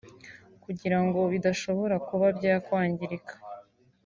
kugirango bidashobora kuba byakwangirika